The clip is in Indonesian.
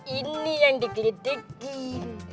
ini yang di klitikin